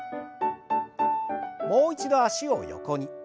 もう一度脚を横に。